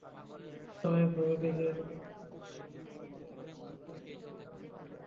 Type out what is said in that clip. সাময়িকভাবে গ্র্যাজুয়েটদের কাজ চালানোর জন্য বিশ্ববিদ্যালয় থেকে অস্থায়ী সনদ সরবরাহ করা হয়।